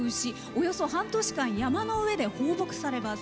およそ半年間山の上で放牧されます。